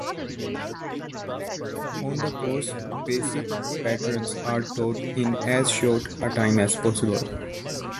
On the course, basic patterns are taught in as short a time as possible.